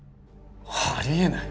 ありえない